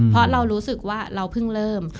เพราะเรารู้สึกว่าเราเพิ่งเริ่ม